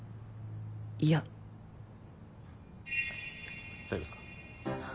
いや大丈夫っすか？